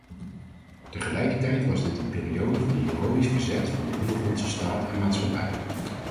Tegelijkertijd was dit een periode van heroïsch verzet van de ondergrondse staat en maatschappij.